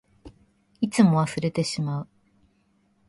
いつも忘れてしまう。